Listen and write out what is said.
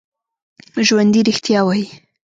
ژوندي رښتیا وايي